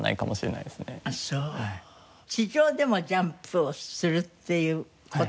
地上でもジャンプをするっていう事はないわよね？